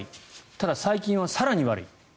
ただ、最近は更に悪い。